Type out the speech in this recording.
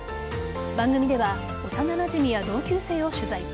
番組ではおさななじみや同級生を取材。